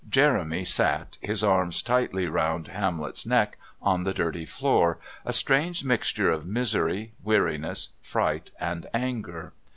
Jeremy sat, his arms tightly round Hamlet's neck, on the dirty floor, a strange mixture of misery, weariness, fright, and anger.